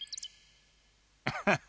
アハハ。